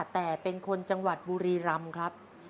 แต่เป็นคนจังหวัดบุรีรำครับ